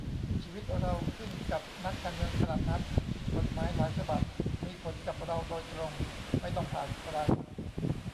ชีวิตเราขึ้นกับนักการเมืองขนาดนั้น ? กฎหมายหลายฉบับมีผลกับเราโดยตรง ไม่ต้องผ่านใคร